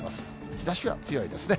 日ざしは強いですね。